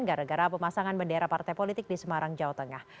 gara gara pemasangan bendera partai politik di semarang jawa tengah